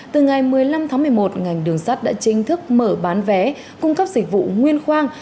từ ngày một mươi năm tháng một mươi một ngành đường sắt đã chính thức mở bán vé cung cấp dịch vụ nguyên khoang